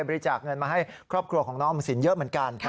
บริจาคเงินมาให้ครอบครัวของน้องออมสินเยอะเหมือนกัน